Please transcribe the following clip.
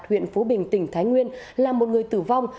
huyện phú bình tỉnh thái nguyên là một người tử vong